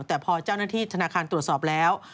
แต่พอเจ้าหน้าที่ธนาคารตรวจสอบแล้ว